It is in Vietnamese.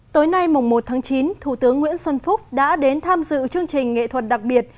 tối nay mùng một tháng chín thủ tướng nguyễn xuân phúc đã đến tham dự chương trình nghệ thuật đặc biệt